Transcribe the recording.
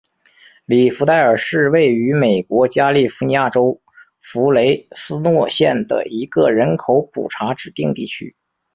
里弗代尔是位于美国加利福尼亚州弗雷斯诺县的一个人口普查指定地区。